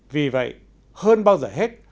vì vậy hơn bao giờ hết